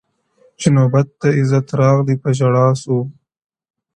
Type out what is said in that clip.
• چي نوبت د عزت راغی په ژړا سو,